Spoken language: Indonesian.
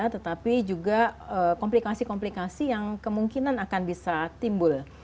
tetapi juga komplikasi komplikasi yang kemungkinan akan bisa timbul